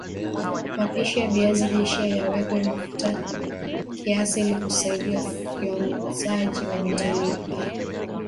mapishi ya viazi lishe yawekwe mafuta kiasi ili kusaidia ufyonzaji wa vitamini A